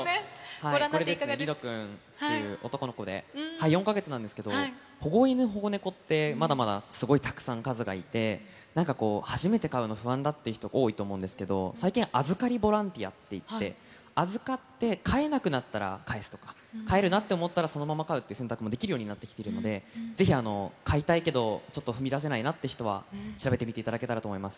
リドくんっていう男の子で、４か月なんですけど、保護犬、保護猫って、まだまだすごいたくさん数がいて、なんかこう、初めて飼うの不安だっていう人、多いと思うんですけど、最近預かりボランティアっていって、預かって、飼えなくなったら返すとか、飼えるなって思ったらそのまま飼うって選択もできるようになってきてるので、ぜひ飼いたいけど、ちょっと踏み出せないという人は、調べてみていただけたらと思います。